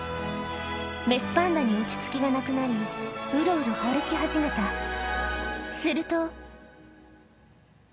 雌パンダに落ち着きがなくなり、うろうろ歩き始めた、すると。